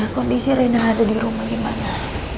kondisi riana ada dirumah gimana